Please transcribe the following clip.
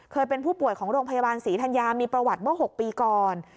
เป็นผู้ป่วยของโรงพยาบาลศรีธัญญามีประวัติเมื่อ๖ปีก่อน